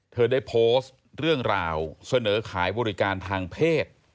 เธอได้โพสต์เรื่องราวเสนอขายบริการทางเพศ